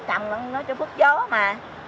trồng nó cho phức gió mà